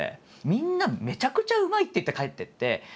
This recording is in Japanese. みんな「めちゃくちゃうまい！」って言って帰ってって。